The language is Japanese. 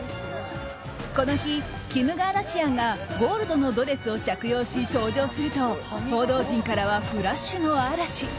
この日、キム・カーダシアンがゴールドのドレスを着用し登場すると報道陣からはフラッシュの嵐。